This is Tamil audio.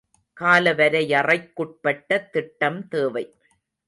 காலவரையறைக்குட்பட்ட திட்டம் தேவை.